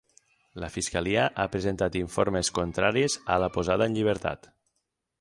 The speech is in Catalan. La fiscalia ha presentat informes contraris a la posada en llibertat.